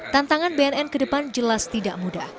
tantangan bnn ke depan jelas tidak mudah